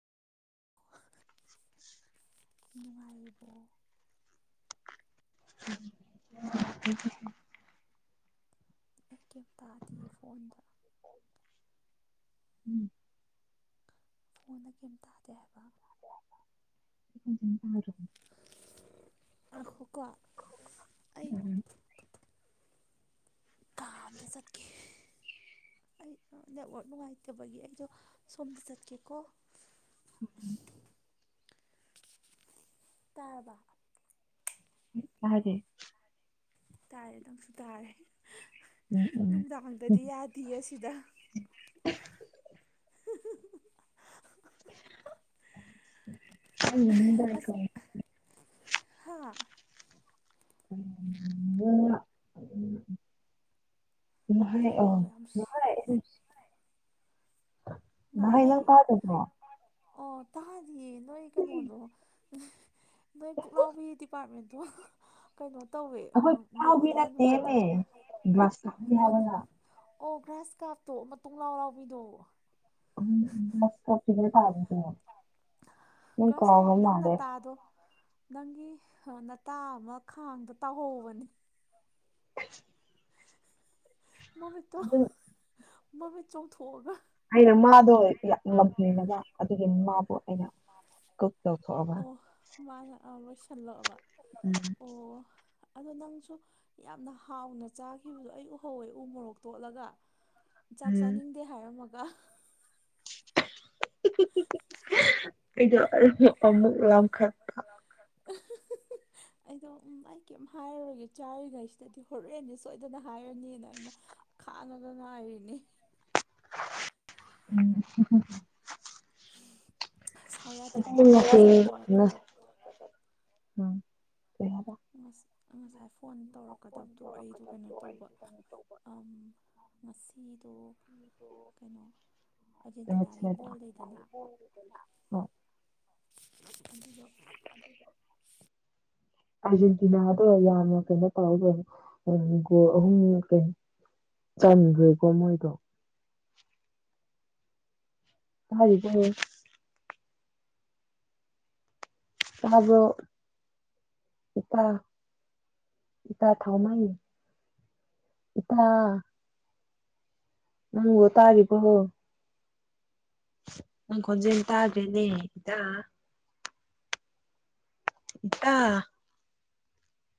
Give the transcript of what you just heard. ꯅꯨꯡꯉꯥꯏꯔꯤꯕꯣ [unintelligible] ꯑꯩ ꯀꯩꯝ ꯇꯥꯗꯦꯌꯦ ꯐꯣꯟꯗ ꯎꯝ ꯐꯣꯟꯗ ꯀꯩꯝ ꯇꯥꯗꯦ ꯍꯥꯏꯕ [unintelligible] ꯑꯈꯨꯀꯣ ꯑꯩ ꯀꯥ ꯑ ꯑꯃꯇ ꯆꯠꯀꯦ ꯑꯩ ꯅꯦꯠꯋꯥꯛ ꯅꯨꯡꯉꯥꯏꯇꯕꯒꯤ ꯑꯩꯗꯣ ꯁꯣꯝꯗ ꯆꯠꯀꯦꯀꯣ ꯎꯝ ꯇꯥꯕ ꯑꯗꯨ ꯇꯥꯔꯦ ꯅꯪꯁꯨ ꯇꯥꯔꯦ ꯎꯝ ꯎꯝ ꯑꯩ ꯅꯨꯡꯗꯥꯡꯗꯗꯤ ꯌꯥꯗꯦꯌꯦ ꯑꯁꯤꯗ [inaudible] [unintelligible] ꯃꯅꯤꯡꯗ ꯑꯁ ꯀꯩ ꯍꯥꯥ ꯎꯝ ꯎꯝ ꯅꯪ ꯅꯈꯣꯟꯗꯣ ꯌꯥꯝ ꯁꯤ ꯑꯣꯥꯏ ꯉꯍꯩ ꯇꯥꯗꯕ꯭ꯔꯣ ꯑꯣ ꯇꯥꯗꯤꯌꯦ ꯅꯣꯏ ꯀꯩꯅꯣꯗꯣ ꯑꯩꯈꯣꯏ ꯅꯣꯏ ꯄꯨ ꯂꯎꯕꯤ ꯗꯤꯄꯥꯔꯃꯦꯟꯇꯕꯨ ꯀꯩꯅꯣ ꯇꯧꯋꯦ ꯅ ꯐꯥꯎꯕꯤ ꯌꯥꯝ ꯅꯠꯇꯦꯃꯦ ꯅꯨꯡꯉꯥꯏꯇꯕ ꯑꯃ ꯒ꯭ꯂꯥꯁ ꯀꯞꯅꯤ ꯍꯥꯏꯕꯅ ꯑꯣ ꯑꯣ ꯒ꯭ꯔꯥꯁ ꯀꯥꯞꯇꯣ ꯃꯇꯨꯡ ꯂꯥꯎ ꯂꯥꯎꯕꯤꯗꯣ ꯀꯆꯒꯦ ꯄꯥꯃꯤ ꯇꯣ ꯒ꯭ꯔꯥꯁ ꯀ꯭ꯔꯥꯞ ꯅꯪꯅ ꯇꯥꯗꯣ ꯅꯪꯒꯤ ꯅꯇꯥ ꯑꯃ ꯈꯥꯡꯗ ꯇꯥꯎꯍꯧꯕꯅꯤ [inaudible] ꯃꯃꯤꯠꯇꯣ ꯑꯗꯨ ꯃꯃꯤꯠ ꯆꯣꯡꯊꯣꯛꯑꯒ ꯑꯩꯅ ꯃꯥꯗꯣ ꯌꯥꯝ ꯉꯝꯍꯜꯒ ꯑꯗꯨꯒꯤ ꯃꯥꯕꯨ ꯑꯩꯅ ꯀꯨꯛ ꯇꯧꯊꯣꯛꯑꯕ ꯑꯣ ꯃꯥꯅ ꯂꯣꯏꯁꯤꯜꯂꯛꯑꯕ ꯎꯝ ꯑꯣ ꯑꯗꯣ ꯅꯪꯁꯨ ꯌꯥꯝꯅ ꯍꯥꯎꯅ ꯆꯥꯈꯤꯕꯗꯣ ꯑꯩ ꯎ ꯍꯧꯋꯦ ꯎ ꯃꯣꯔꯣꯛ ꯇꯣꯠꯂꯒ ꯆꯥꯛ ꯆꯥꯅꯤꯡꯗꯦ ꯍꯥꯏꯔꯝꯃꯒ ꯑꯩꯗ ꯑꯃꯃꯨꯛ ꯂꯪꯈꯥ [inaudible] ꯑꯩꯗꯣ ꯎꯝ ꯑꯩ ꯀꯩꯝ ꯍꯥꯏꯔꯨꯔꯒꯦ ꯆꯥꯔꯤꯉꯩꯁꯤꯗꯗꯤ ꯍꯣꯔꯛꯑꯦꯅꯦ ꯁꯣꯏꯗꯅ ꯍꯥꯏꯔꯅꯤꯅ ꯑꯩꯅ ꯈꯪꯉꯒ ꯉꯥꯢꯔꯤꯅꯦ ꯎꯝ ꯁꯥꯎ ꯌꯥꯗꯦꯀꯣ ꯑꯩ ꯉꯁꯥꯏ ꯇꯧꯔꯛꯀꯗꯕ [inaudible] ꯉꯁꯥꯏ ꯐꯣꯟ ꯇꯧꯔꯛꯀꯗꯕꯗꯣ ꯑꯩꯗꯣ ꯀꯩꯅꯣ ꯇꯧꯕ ꯑꯝ ꯉꯁꯤꯗꯣ ꯀꯩꯅꯣ ꯑꯔꯖꯦꯟꯇꯤꯅꯥꯒꯤ ꯃꯦꯠꯁꯅꯦꯗ ꯕꯣꯜ ꯂꯩꯗꯅ ꯑꯗꯨꯗꯣ ꯑꯥꯔꯖꯦꯟꯇꯤꯅꯥꯗꯣ ꯌꯥꯝꯅ ꯀꯩꯅꯣ ꯇꯧꯔꯗꯣꯏꯅꯦ ꯑꯝ ꯒꯣꯜ ꯑꯍꯨꯝ ꯀꯩꯅꯣ ꯆꯥꯟꯒ꯭ꯔꯦꯀꯣ ꯃꯣꯏꯗꯣ ꯍꯥꯏꯕꯤ [inaudible] ꯇꯥꯕ꯭ꯔꯣ ꯏꯇꯥ ꯏꯇꯥ ꯊꯥꯎꯃꯥꯏ ꯢꯇꯥ ꯅꯪꯕꯨ ꯇꯔꯤꯕꯣ ꯅꯪ ꯈꯣꯟꯖꯦꯜ ꯇꯥꯗꯔꯦꯅꯦ ꯢꯇꯥ ꯏꯇꯥ